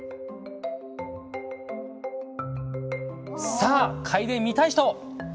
さあかいでみたい人！